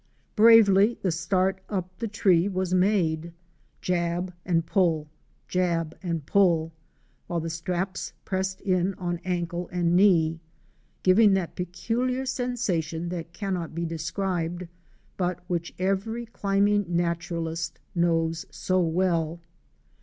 203 Bravely the start up the tree was made; jab and pull, jab and pull, while the straps pressed in on ankle and knee, giving that peculiar sensation that cannot be described, but which every climbing naturalist knows so well.